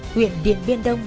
huyện điển biên đông